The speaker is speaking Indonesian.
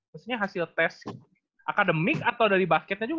maksudnya hasil tes akademik atau dari basketnya juga